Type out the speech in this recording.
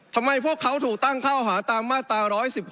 ทำไมพวกเขาถูกตั้งข้อหาตามมาตรา๑๑๖